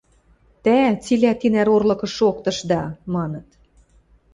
– Тӓ цилӓ тинӓр орлыкыш шоктышда! – маныт.